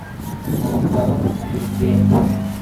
mu bitabo no kugira ubwenge